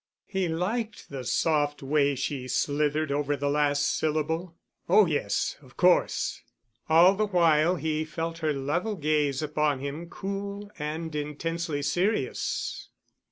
He liked the soft way she slithered over the last syllable. "Oh, yes—of course." All the while he felt her level gaze upon him, cool and intensely serious.